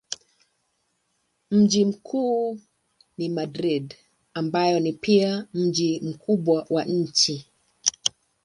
Mji mkuu ni Madrid ambayo ni pia mji mkubwa wa nchi.